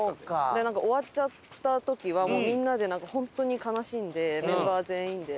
でなんか終わっちゃった時はみんなで本当に悲しんでメンバー全員で。